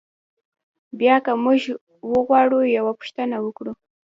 بیا که موږ وغواړو یوه پوښتنه وکړو.